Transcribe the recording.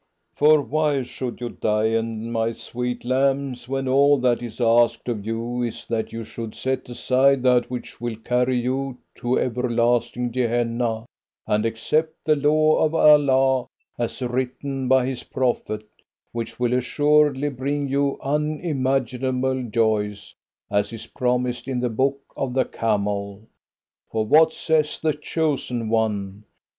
"For why should you die, my sweet lambs, when all that is asked of you is that you should set aside that which will carry you to everlasting Gehenna, and accept the law of Allah as written by his prophet, which will assuredly bring you unimaginable joys, as is promised in the Book of the Camel? For what says the chosen one?"